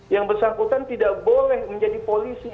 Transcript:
yang bersangkutan tidak boleh menjadi polisi